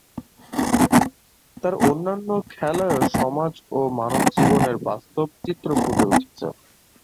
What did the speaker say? তাঁর অন্যান্য লেখায়ও সমাজ ও মানবজীবনের বাস্তব চিত্র ফুটে উঠেছে।